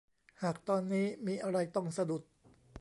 หากตอนนี้มีอะไรต้องสะดุด